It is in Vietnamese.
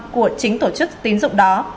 của chính tổ chức tín dụng đó